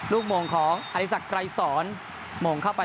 ลูกโหม่งของอริสักไกรศรโหม่งเข้าไป